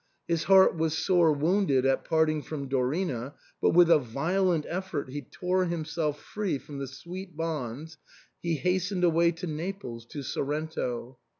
His heart was sore wounded at parting from Dorina ; but with a violent effort he tore himself free from the sweet bonds. He hastened away to Naples, to Sorrento.